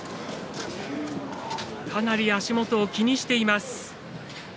かなり足元を気にしています。